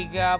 udah ya bos